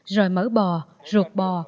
rồi mỡ bò ruột bò